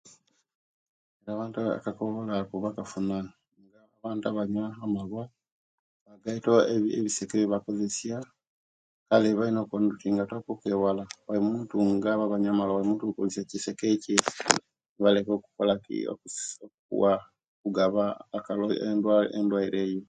Abantu akakowolo ako bakafuna abantu abnywa amalwa, bagaita ebiseke ebibakozesia kale balina kunotinga kitaka okweewala bulimintu nga abo abanywa amalwa buli muntu alina ok'kozesa ekiseke kye baleke okukolaki ss kuwa okugaba akal endwa endwaire ejj.